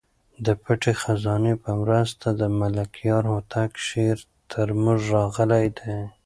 د پټې خزانې په مرسته د ملکیار هوتک شعر تر موږ راغلی دی.